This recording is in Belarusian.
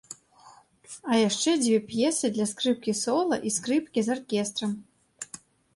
А яшчэ дзве п'есы для скрыпкі-сола і скрыпкі з аркестрам.